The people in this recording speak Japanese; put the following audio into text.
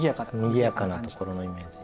にぎやかなところのイメージ。